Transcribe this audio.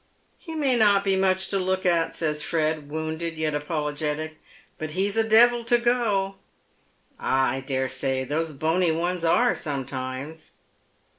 " He may not be much to look at," says Fred, wounded yet apologetic; "but he's a devil to go." " Ah, I dare say, those bony ones are sometimes."